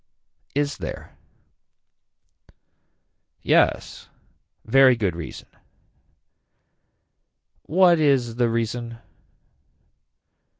Is there. Yes very good reason. What is the reason.